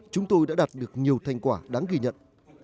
chúng tôi đã đạt được nhiều thành quả đáng ghi nhận